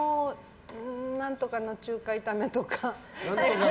何とかの中華炒めとか。